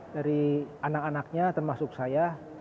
dari anak anaknya termasuk saya